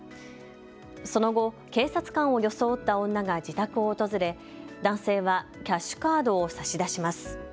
その後、警察官を装った女が自宅を訪れ、男性はキャッシュカードを差し出します。